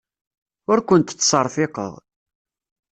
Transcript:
Ur kent-ttserfiqeɣ.